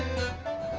itu baru kita